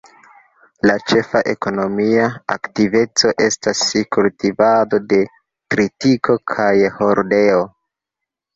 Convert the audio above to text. La ĉefa ekonomia aktiveco estas kultivado de tritiko kaj hordeo.